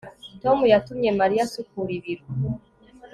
tom yatumye mariya asukura ibiro